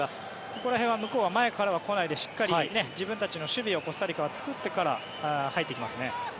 ここら辺は前から来ないでしっかり自分たちの守備をコスタリカは作ってから入っていきますね。